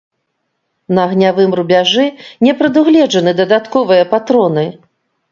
На агнявым рубяжы не прадугледжаны дадатковыя патроны.